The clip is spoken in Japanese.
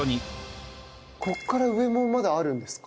ここから上もまだあるんですか？